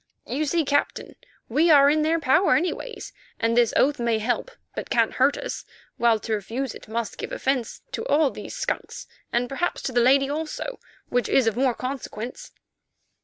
You see, Captain, we are in their power anyway, and this oath may help, but can't hurt us, while to refuse it must give offence to all these skunks, and perhaps to the lady also, which is of more consequence."